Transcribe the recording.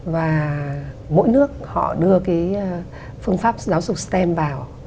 và mỗi nước họ đưa cái phương pháp giáo dục stem vào